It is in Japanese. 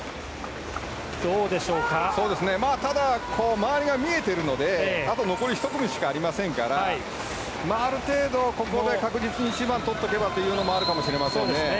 周りが見えているのであと残り１組しかありませんからある程度、ここで確実に一番をとっておけばというのはあるかもしれませんね。